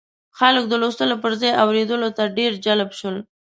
خلک د لوستلو پر ځای اورېدلو ته ډېر جلب شول.